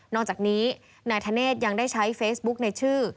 อกจากนี้นายธเนธยังได้ใช้เฟซบุ๊กในชื่อ